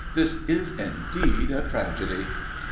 This is indeed a tragedy!